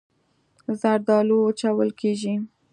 زردالو وچول کېږي.